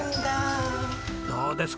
どうですか？